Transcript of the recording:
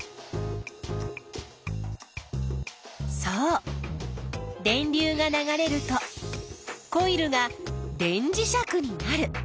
そう電流が流れるとコイルが電磁石になる。